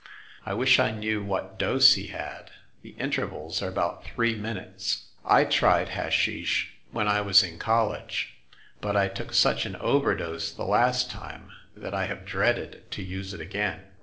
I wish I knew what dose he had. The intervals are about three minutes. I tried hashish when I was in college ; but I took such an overdose the last time that I have dreaded to use it again."